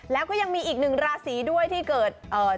แล้วก็ยังมีอีกเล็กดาษีด้วยที่เกิด